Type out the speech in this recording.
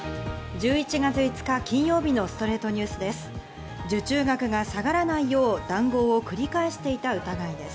１１月５日、金曜日の『ストレイトニュース』です。